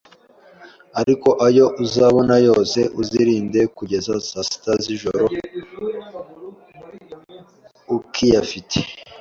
ariko ayo uzabona yose uzirinde kugeza saa sita z’ijoro ukiyafite,